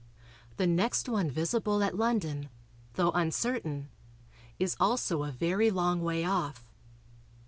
The next one visible at London, though uncertain, is also a very long way off.